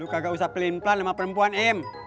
kagak usah pelin pelan sama perempuan m